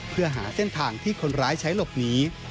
เพื่อหาเส้นทางที่คนร้ายใช้หลบหนี